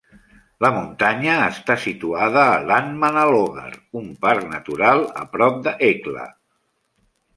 La muntanya està situada a Landmannalaugar, un parc natural a prop de Hekla.